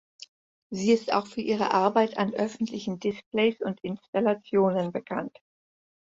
Sie ist auch für ihre Arbeit an öffentlichen Displays und Installationen bekannt.